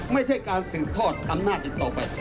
ไม่ใช่การสืบทอดอำนาจอีกต่อไป